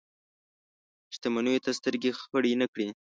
شتمنیو ته سترګې خړې نه کړي.